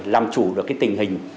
làm chủ được cái tình hình